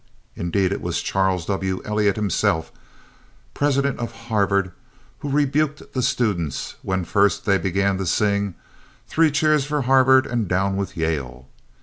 Indeed it was Charles W. Eliot himself, president of Harvard, who rebuked the students when first they began to sing, "Three cheers for Harvard and down with Yale."